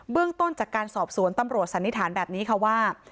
เรื่องต้นจากการสอบสวนตำรวจสันนิษฐานแบบนี้ค่ะว่า